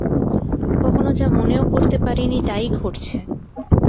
কখনো যা মনেও করতে পারি নি তাই ঘটছে।